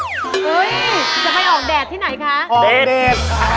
เฮ้ยจะไปออกแดดที่ไหนคะออกเด็ด